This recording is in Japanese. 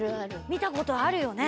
見たことあるよね。